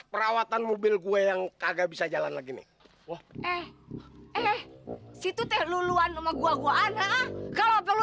perawatan mobil gue yang kagak bisa jalan lagi nih eh situ teh luluan sama gua gua kalau perlu